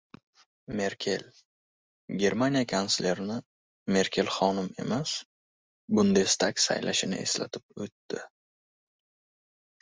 Merkel Germaniya kanslerini “Merkel xonim” emas, Bundestag saylashini eslatib o‘tdi